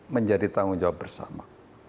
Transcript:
menjadi tanggung jawab bersama